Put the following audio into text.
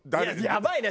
やばいな！